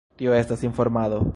Tio estas informado.